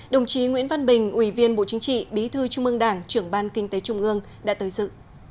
đồng chí nguyễn văn bình ủy viên bộ chính trị bí thư trung ương đảng trưởng ban kinh tế trung ương đã tới dự